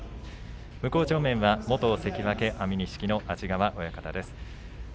向正面は元関脇安美錦の安治川親方です。